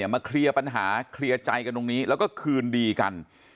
มาเคลียร์ปัญหาเคลียร์ใจกันตรงนี้แล้วก็คืนดีกัน